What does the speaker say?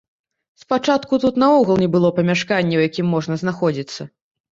Спачатку тут наогул не было памяшкання, ў якім можна знаходзіцца.